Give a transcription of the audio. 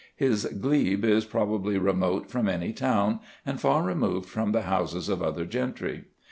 His glebe is probably remote from any town, and far removed from the houses of other gentry.